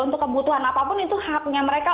untuk kebutuhan apapun itu haknya mereka